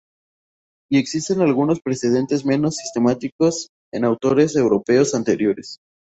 Y existen algunos precedentes menos sistemáticas en autores europeos anteriores.